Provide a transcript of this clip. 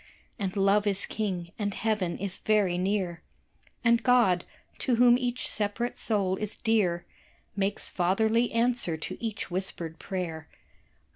And Love is King, and Heaven is very near, And God to whom each separate soul is dear Makes fatherly answer to each whispered prayer.